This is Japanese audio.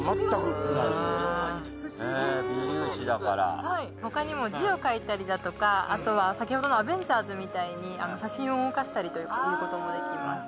不思議微粒子だから他にも字を書いたりだとかあとは先ほどの「アベンジャーズ」みたいに写真を動かしたりということもできます